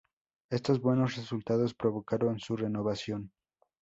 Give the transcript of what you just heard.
Estos buenos resultados provocaron su renovación.